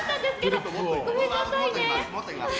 ごめんなさいね。